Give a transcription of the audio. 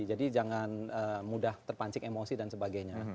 jadi jangan mudah terpancik emosi dan sebagainya